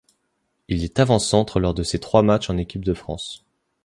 Il est avant-centre lors de ses trois matches en équipe de France.